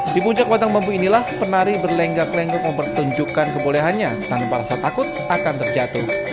di puncak batang bambu inilah penari berlenggak lenggok mempertunjukkan kebolehannya tanpa rasa takut akan terjatuh